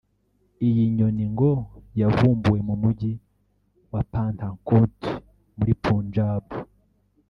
Iyi nyoni ngo yavumbuwe mu mujyi wa Pathankot muri Punjab